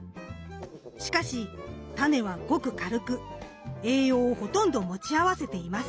しかしタネはごく軽く栄養をほとんど持ち合わせていません。